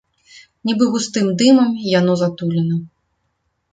Нібы густым дымам яно затулена.